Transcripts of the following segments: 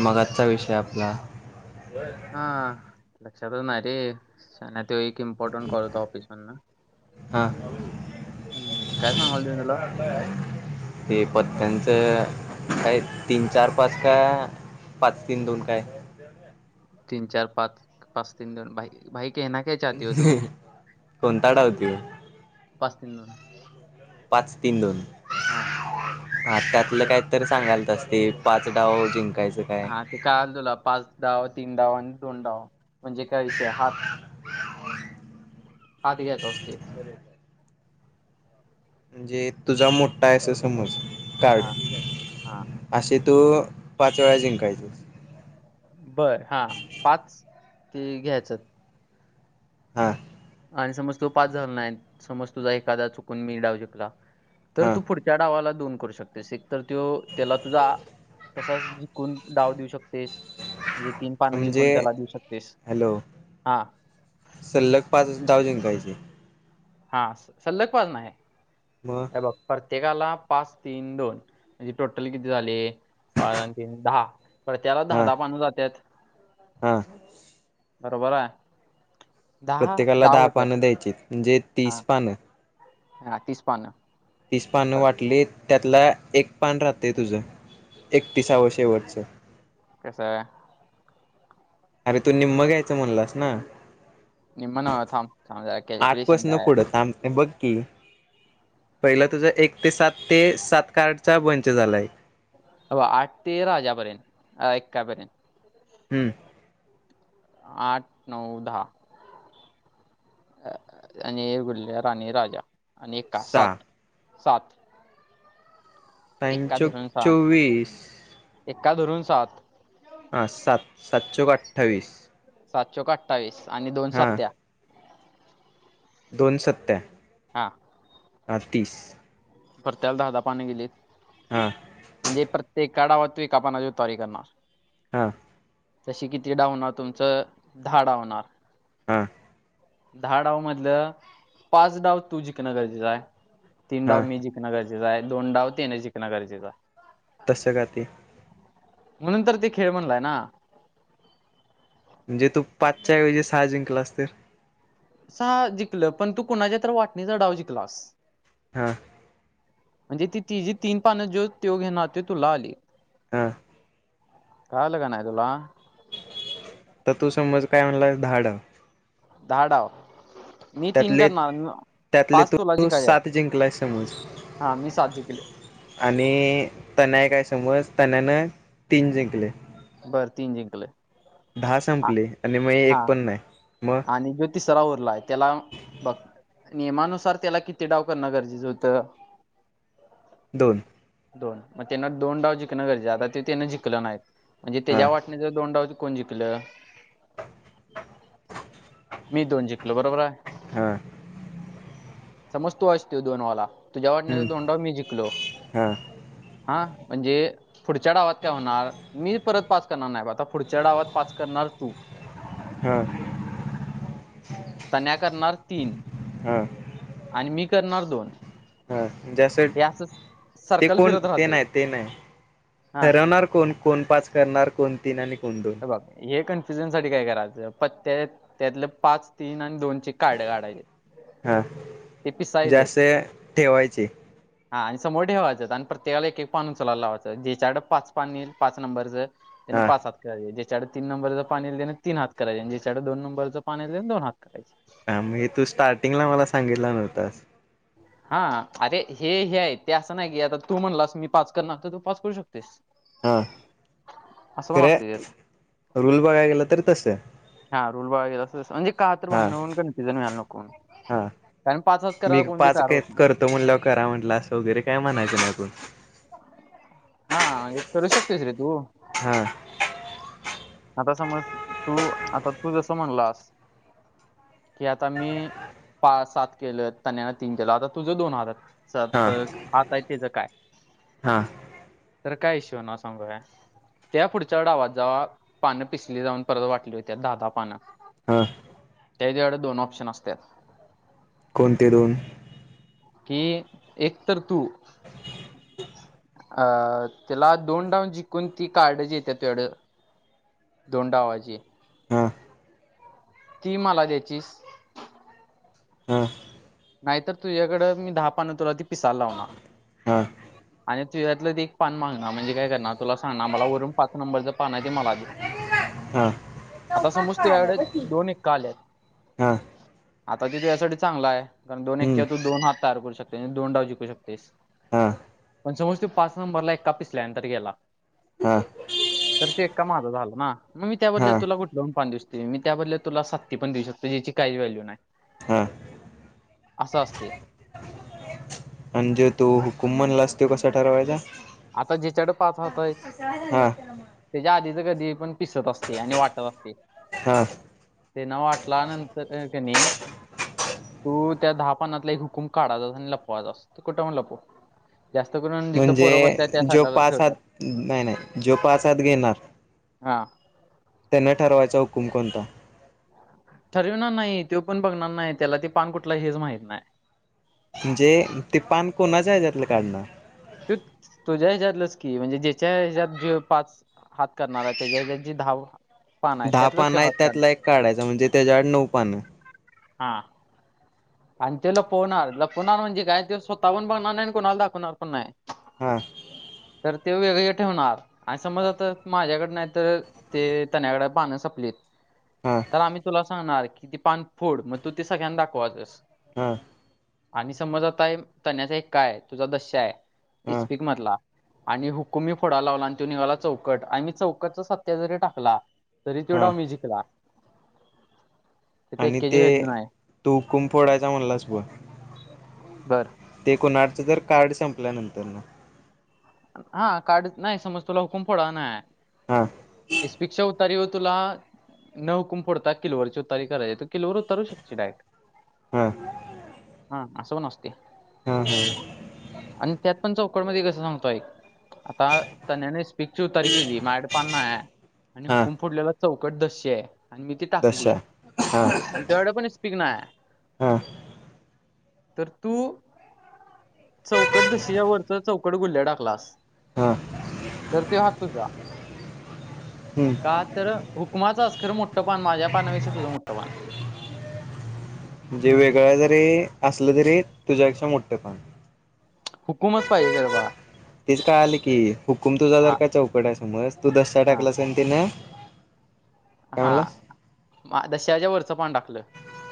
मग, आजचा विषय आपला हां लक्षातच नाय रे [unintelligible] तो एक इम्पॉर्टंट कॉल होता ऑफिसमदन हा हम्म काय सांगालतो मी तुला तर काय तीन चार पाच का पाच तीन दोन काय तीन चार पाच पाच तीन दिन भा भाई कहना क्या चाहते हो तुम कोणता डाव त्यो पाच तीन दोन पाच तीन दोन हा हा त्यातलं तर काय तरी सांगालतास ते पाच डाव जिंकायचं काय हा ते कळाल तुला पाच डाव तीन डाव आणि दोन डाव म्हणजे काय विषय हात हाात घ्यायच असतोय म्हणजे तुझा मोठा आहे अस समज कार्ड हा हा असे तू पाच वेळा जिंकायच बरं हा पाच ते घ्यायच हा आणि समज तू पाच झाल नाही समज तुझा एखादा चुकून मी डाव जिकला तर हां तू पुढच्या डावाला दोन करू शकतेस एक तर त्या त्याला तुझा तसाच जिकून डाव देऊ शकतेस म्हे तीन पानं म्हणजे जिकून त्याला देऊ शकतेस हॅलो हा सलग पाच डाव जिकांयचे हा सल्लग पान नाही मग अबक प्रत्येकाला पाच तीन दोन म्हणजे टोटल किती झाले पाच आणि. तीन दहा परतेकाला दहा दहा पानं जातात हा बरोबर हाय प्रत्येकाला दहा पानं द्यायची म्हणजे हा तीस पानं हा तीस पान तीस पान वाटलीत त्यातला एक पान राहतंय तुझं एक तिसावं शेवटचं कस अरे तू निम्म घ्यायचं म्हणलास ना निम्म नव्ह थांब थांब जरा आठ कॅल्क्युलेशन पसन काय आहे पुडत आ बघ कि पहिलं तुझं एक ते सात ते सात कार्डचा बंच झालाय अ आठ ते राजा पर्यंत अ एकापर्यंत हम्म आठ नऊ दहा अ आणि गुल्ल्या राणी राजा आणि एका सहा सात सात पाइन एक्का चोक चोवीस का धरून सात हा सात सात चौक आठ्ठावीस सात चॊक अठ्ठावीस आणि दोन सत्या दोन सत्त्या हा हा तीस प्रत्येकाला दहा दहा पाने गेलीत हा म्हणजे प्रत्येक काढावत कापनाज तरी करणार हा तशी किती डावणार तुमचं दहा डावणार हा दहा डाव मधलं पाच डाव तू जिकणं गरजेचं आहे तीन डाव हा मी ज गरजेचं आहे दोनडाव तीन जिकंणं गरजेच ह्य तसं का ते म्हणून तर ते खेळ म्हणलाय ना म्हणजे तो पाचच्याऐवजी सहा जिंकलास तर स जिंल पण तू कुणाच्या तर वाटणीचा डाव जिकलास हा म्हणजे ती ति जी तीन पानं जो तो घेणार त तुला आली हा कळ काय नाय तुला तर तू समज काय म्हणला धाड धाडाव मी तीन करणार त्यातले पाच तोलाची तू काही सात जिंकलाय समज आहेत हा मी सा जिकंले आणि त्यांना एक काय समज त्यांनन तीन जिंकले पर तीन जिंकले दहा हा संपले आणि मग एक हा. पण नाही मग आणि ज्यो तिसरा उरलाय त्याला बघ नियमानुसार त्याला किती डाव करणं गरजेचं होतं दोन दोन मग त्यांना दोन डाव जिकण गरजे आता ते त्यांना जिंकलं नाहीत म्हणजे हां त्याच्या वाटण्याचं दोन डाव कोण जिकली मी दोन जिंलो बरोबर आहे हा समजतो अस त दोनो वाला तुझ्या वाटनेचा हम्म दोंडाव मी जंिकलो हां हा म्हणजे पुढच्या डावात काय होणार मी परत पास करणार नाही आता पुढच्या डावात पास करणार तू हां तण्या करणार तीन हां आणि मी करणार दोन हां जसं हे असंच ते कोण ते नाही ते नाही हा हे ठरवणार कोण कोण पाच करणार कोणती आणि कोण दोन कनफ साठी काय करायचं प त्या त्यातले पाच तीन आणि दोन ची काढ काढायचे हा ते पिसायचे जास्त ठेवायची हा आणि समोर ठेवायचं आणि प्रत्येकाला एक एक पान उचालायला लावायचं ज्याच्याकडे पाच पान येईल पाच नंबरचं तन हा पाच सात करे ज जच्याकडे तीनंबर पाण असले तीन हात कराय आणि ज्याच्याकडे दोन नंबरं पाण येईल त्यानं दोन हात करायचे हा मगे तू स्टार्टिंगला मला सांगितलं नव्हतास हा अरे हे हे आहे ते असं नाही की आता तू म्हणलस मी पास करणार तर तू पास करू शकतो हा असं पण खरे असते रुल बघाय गेला तरी तस रूल बघा गेलास तसं म्हजे का तर भांडण बघून कन्फ्युजन व्हायला नको हां कारण पाच हात मी करायला कोण बी पाच तयार काही होत नाही करतो म्हणलं करा म्हटलं असं वगैरे काय म्हणायचं नाय कोन हा एक करू शकतेस रे तू हा आता समज तू आता तू जस म्हणलास कि आता मी पा सात केलं त्यांण्याना तीन केलं आता तुझ दोन आले स हा आताय त्याचं काय. हा. तर काय इशू ना सांगूय त्या पुढच्या डावात जेव्हा पानं पिसली जाऊन परत वाटली होत्या दहा दहा पानं. हा. त्याचा कडे दोन ऑप्शन असतात कोणते दोन. कि एक तरर तू. अ त्याला दोन ाऊन जंकून ती कार्डच येते तढ धोडावाजी हा ती मला द्यायचीस हा. नाहीतर तुझ्याकडं मी दहा पान तुला त पिसायला लावनार. ह आणि तुझ्यातलं एक पान मागणार म्हणजे काय करणार तुला सांगणार मला वरून पाच नंबरचं पान आहे ते मला दे हम आता समज तुजाकडे दोन एकका आले आहेत हा आता ते तुजसाठी चांगल आहे कारण दोन एक हम्म कि तू दोन हात तयार करू शकतेसआणि दोन डाव जिकू शकतेस हा पण समज तू पाच नंबरला एका पिसल्यानंतर गेला हम् तर ते एका माझं झालं ना मग मी त्या बदल हा तुला कुठलं पण पान देऊ शकतो मी त्याबद्दल तुला सत्ती पण देऊ शकतो काही व्हॅल्यू नाही हां. असं असतय. म्हणजे तो हुकुमनलास तो कसा ठरवायचा. आता ज्याच्याडे पाच हात हाय. हा त्याच्या आधीच कधी पण पिसत असते आणि वाटत असते हा. ते न वाटला नंतर कनी तू त्या दहा पानातला एक हुकुम काढाचास आणि लपवायचास तू कुठंून लपव जास्त ूनथं म्हणजे पो बस जो पाचात नाही नाही जो पाचात घेणार हा त्यांनी ठरवाचा हुकुम कोणता ठरवणार नाही तो पण बघणार नाही त्याला ते पान कुठला हेच माहित नाही म्हणजे ते पान कोणाच्या ह्याच्यातलं काढणार तू तुझ्या हिच्यातलंच की म्हणजे ज्याच्या ही जात पाच हात करणार आहे त्याच्याची धाव दहा पानं आहेत त्यातला एक काढायचा म्हणजे त्याच्याकड नऊ पानं हा. आणि ते ल पोवणार लपणार म्हणजे काय ते स्वतः पण बघणार नाही आणि कोणाला दाखवणार पण नाही हा. तर ते वेगळे ठेवणार आणि समज आता माझ्याकड नाही तर ते त्यांनकडे पानं संपलीत हा तर आम्ही तुला सांगणार की ती पान फोड मग तू ती सगळ्यांना दाखवाजस हम. आणि समज आता तण्याचा एक काय तुझा दश्य आहे हा इस्पिक मधला आणि हुकुमी फोडा लावला आणि तो निघाला चौकट आणि चौकटचा सत्या जरी टाकला. तरी तो हा डाव मी जिंकला तिथे आणि एक्केची ते व्हॅल्यू नाही तू हुकुम फोडायचा म्हणलास ब बर कुणाचं तर कार्ड संपल्या नंतर न हा काढ नाही समज तुला हुकुम पडा ना हा तारी व तुला नहकुम फोडता किलवरची उतारी करायची कि लोवर तरू शकते डायक्ट हा हा असं पण न असते हम्म हम्म आपण चौकड मधे कसं सांगतोय आईक आता तण्याने स्पीिकची उतारी केली मायाकड पान नायाय आणि हा हुकुम फुडलेला चौकट दस्य आहे. आणि मी ती टाकली दशा हा आणि तुयाकडं पण ईसपिक नायाय हा तर तू चौकट दशी या वरच चौकट गुल्या टाकलास हा तर ते हात तुझा हम्म. का तर हुकमाचाच खरं मोठं पाण माझ्या पानापेक्ष म्हजे वेगळ जरी असलं तरी तुझ्यापेक्षा मोठठं पाण हुकुमच पाहिजे [unintelligible] तेच कळाल की हुकुम तुझा जर हा का चौकट आहे समज तू दशा हा टाकलास अन् तेन हा दश्याच्या वरचं पाण टाकलं.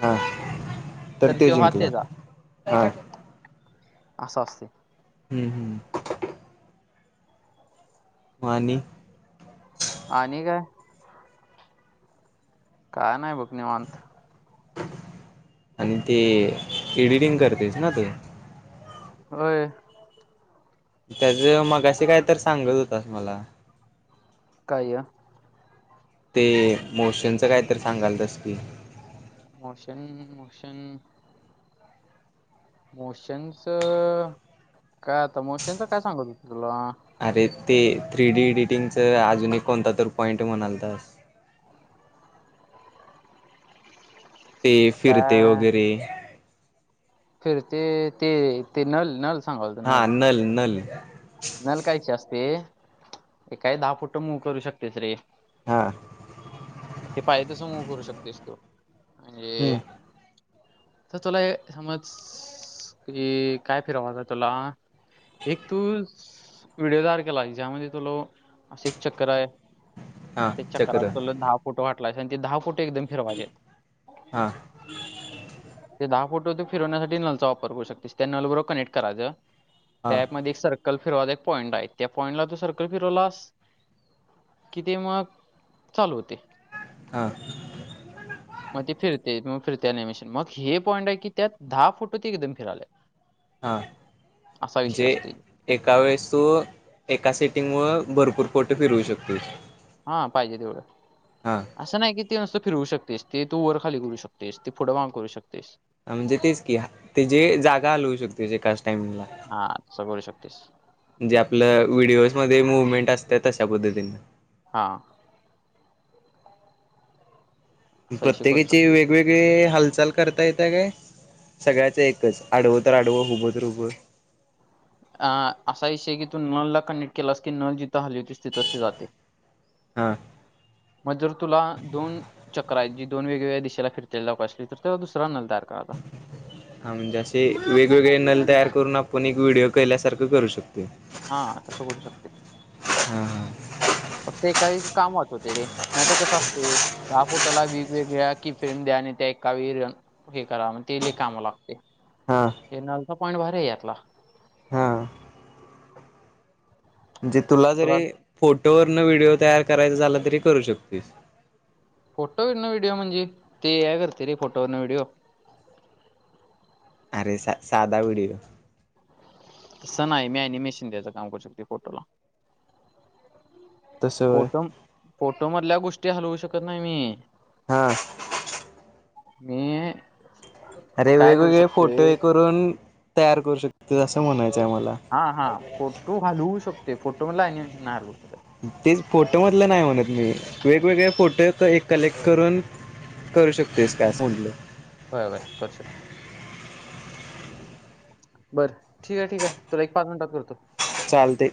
हा तर तो त्यो हात जिंकला तेजा. हा असं असतंय. हम्म हम्म म आणि आणि काय काय नाही बग निवांत. आणि ते एडिटिंग करतेस ना तू. अय् त्याज मगाशी काय तर सांगत होतास मला. काय ह्य ते मोशनचं कायतर सांगलतास की. मोशन मोशन मोशनच काय आता मोशनच काय सांगत होतो? तुला अरे ते थ्री डी एडिटिंगच अजून एक कोणता तर पॉईंट म्हणालतास ते फिरते काय वगैरे फिरते ते ते नल नल सांगाल तर हा नल नल नल कायची असते ते काय दहा फुट मुव्ह करू शकतेच रे. हा ते पाय तस मुव्ह करू शकतेस तू. म्हणजे हम्म तर तुला हे समज की काय फिरवायचय तुला एक तू व्हिडिओ तयार केलायस ज्यामध्ये तुला असं एक चक्र आहे हा ते चक्रात चक्र तुला दहा फोटो घातलायस आणि ते दहा फोटो एकदम फिरवायचेत हा ते दहा फो फिरवण्यासाठी नलचा वापर करू शकतयस त्या नल बर कनेक्ट करायच हा त्या ॲप मध्ये एक सर् सर्कल फिरवायचा एक पॉईंट आहे त्या पॉईंट ला तू सर्कल फिरवलास कि ते मग चालू होतंय. हा मग ते फिरतंय म फिरते अनिमेशन मग हे पॉईंट आहे की त्यात दहा फोटो ते एकदम फिराल्यात. हा जे असतो एका वेळेस तो एका सेटिंग मुळ भरपूर फोटो फिरवू शकतोस. हा पाहिजे तेवढं हा असं नाही की ते असं फिरवू शकतेस, ते तू वर खाली करू शकतेस, ते पुढमाग करू शकतेस. हा म्हणजे तेच की ते जे जागा हलवू शकते जे काय हा. असं बोलू शकतेस. जे आपलं व्हिडिओ ज मध्ये मुवमेंट असत तशा पद्धतीने हा. असा विषय करू प्रत्येकाची शकतेस वेगवेगळे हाल चाल करता येत काय सगळ्याच, एकच आडव तर आडव हुब तर हुब अ असा विषय की तू नळला, कनेक्ट केलास की नळ जिथ तो हलीवीती स्थित असली जाते. हा. मग जर तुला दोन चक्र आहेत, जी दोन वेगवेगळ्या दिशेला फिरते जऊ असली तर त दुसरा नलदार हा म्हणजे असे वेगवेगळे नल तयार करून आपण एक व्हिडिओ केल्यासारखं करू शकतो. हा तसं बोलू शकते. हा फक्त एका कामात होते रे नाहीतर, कसं असते दहा फोटाला वेगवेगळ्या की फिल्म द्या आणि त्या एकावी हे करा म् ते ल काम लात हा. पॉईंट भारी हे यातला. हा म्हणजे तुला जरी फोटोवरन व्हिडिओ तयार करायचा झाला. तरी करू शकतेस फोटो विन व्हिडिओ म्हणजे, ते ए आ करते रे फोटोवरण व्हिडीओ आरे सा साधा व्हडिओ तसं नाही मी आणि ॲनिमेशन द्यायचं काम करू शकते फोटोला तसं व्हय. फोटो फोटो मधल्या गोष्टी हलवू, शकत नाही मी हा. मी अरे काय करू वेगवेगळे फोटो शकतोय हे करून तयार करू, शकतो असं म्हणायचं हा हा फोटो हालवू शकते फोटो मधला, अनिमेशन नाय हलवू शकत ते फोटोमधलं नाही म्हणत, मी वेगवेगळे फोटो कलेक्ट करून करू शकतेस काय सोडलं होय होय करू शकते. बर ठीक, ठीक, आहे तुला एक पाच मिनिटात करतो. चालते.